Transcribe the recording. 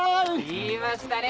言いましたね？